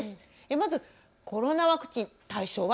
まずコロナワクチン、対象は？